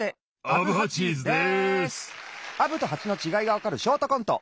アブとハチのちがいがわかるショートコント。